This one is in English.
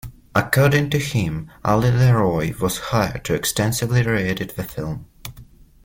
According to him, Ali LeRoi was hired to extensively re-edit the film.